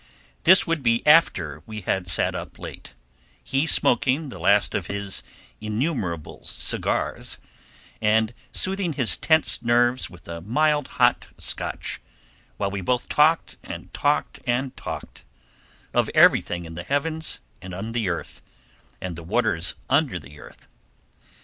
This would be after we had sat up late, he smoking the last of his innumerable cigars, and soothing his tense nerves with a mild hot Scotch, while we both talked and talked and talked, of everything in the heavens and on the earth, and the waters under the earth.